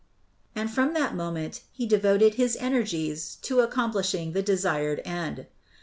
And from that moment he devoted his energies to accomplishing the desired end.